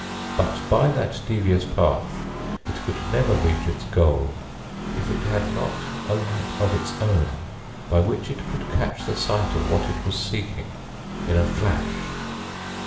But by that devious path it could never reach its goal if it had not a light of its own by which it could catch the sight of what it was seeking in a flash.